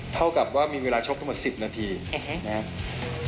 เท่ากับว่ามีเวลาชกทั้งหมด๑๐นาทีนะครับ